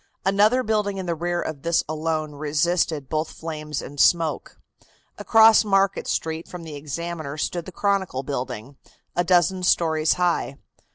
Another building in the rear of this alone resisted both flames and smoke. Across Market Street from the Examiner stood the Chronicle building, a dozen stories high.